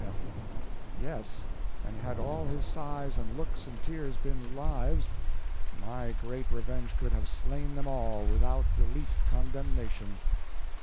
F. Yes, and had all his sighs and looks and tears been lives, my great revenge could have slain them all, without the least condemnation.